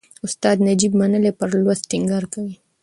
استاد نجيب منلی پر لوست ټینګار کوي.